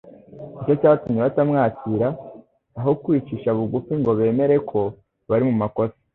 nicyo cyatumye batamwakira. Aho kwicisha bugufi ngo bemere ko bari mu makosa,